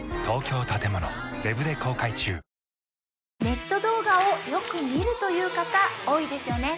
ネット動画をよく見るという方多いですよね